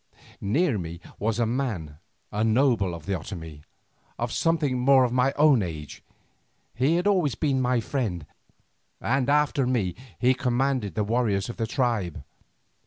Near me was a man, a noble of the Otomie, of something more than my own age. He had always been my friend, and after me he commanded the warriors of the tribe.